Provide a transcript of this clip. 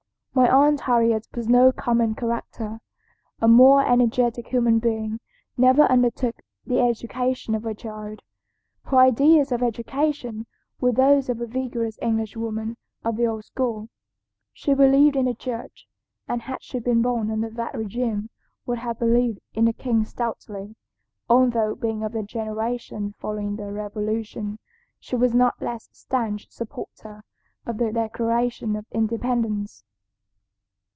My aunt Harriet was no common character. A more energetic human being never undertook the education of a child. Her ideas of education were those of a vigorous English woman of the old school. She believed in the Church, and had she been born under that régime would have believed in the king stoutly, although being of the generation following the Revolution she was a not less stanch supporter of the Declaration of Independence.